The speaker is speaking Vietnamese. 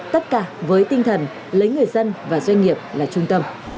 tất cả với tinh thần lấy người dân và doanh nghiệp là trung tâm